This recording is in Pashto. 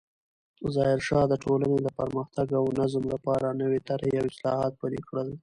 ظاهرشاه د ټولنې د پرمختګ او نظم لپاره نوې طرحې او اصلاحات پلې کړل.